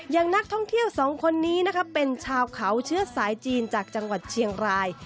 อย่างนักท่องเที่ยวสองคนนี้นะคะเป็นชาวเขาเชื้อสายจีนจากจังหวัดเชียงราย